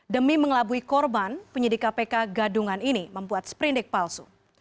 demi mengelabui korban penyidik kpk gadungan ini membuat sprindik palsu